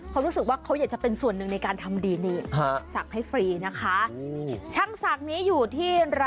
เขารู้สึกว่าเขาอยากจะเป็นส่วนหนึ่งในการทำดีนี่